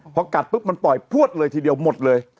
พอกัดปุ๊บมันปล่อยพวดเลยทีเดียวหมดเลย